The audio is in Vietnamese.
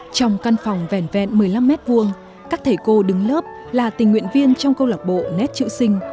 trong căn phòng vẹn một mươi năm m hai các thầy cô đứng lớp là tình nguyện viên trong câu lạc bộ nét chữ sinh